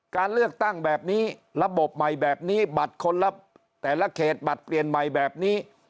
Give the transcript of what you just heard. การเลือกตั้งแบบนี้ระบบใหม่แบบนี้บัตรคนละแต่ละเขตบัตรเปลี่ยนใหม่แบบนี้